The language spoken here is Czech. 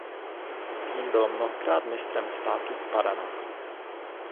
Tým byl mnohokrát mistrem státu Paraná.